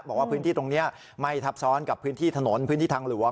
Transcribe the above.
บอกว่าพื้นที่ตรงนี้ไม่ทับซ้อนกับพื้นที่ถนนพื้นที่ทางหลวง